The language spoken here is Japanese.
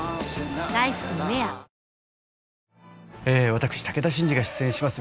私武田真治が出演します